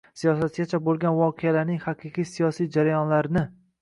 “siyosatgacha” bo‘lgan voqealarning haqiqiy siyosiy jarayonlarni